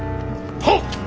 はっ！